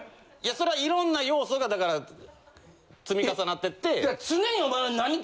それは色んな要素がだから積み重なってって。